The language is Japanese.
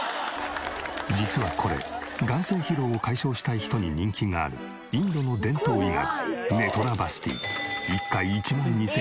実はこれ眼精疲労を解消したい人に人気があるインドの伝統医学。